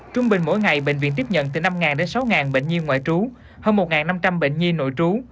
trung bình mỗi ngày bệnh viện tiếp nhận từ năm đến sáu bệnh nhi ngoại trú hơn một năm trăm linh bệnh nhi nội trú